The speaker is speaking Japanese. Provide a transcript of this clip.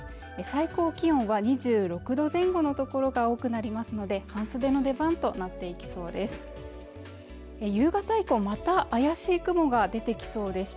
最高気温は２６度前後の所が多くなりますので半袖の出番となっていきそうです